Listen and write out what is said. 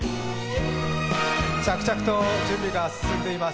着々と準備が進んでいます。